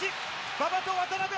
馬場と渡邊。